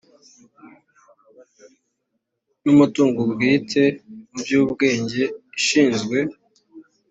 n umutungo bwite mu by ubwenge ishinzwe